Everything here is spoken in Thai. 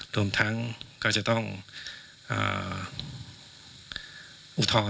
รวมทั้งก็จะต้องอุทธรณ์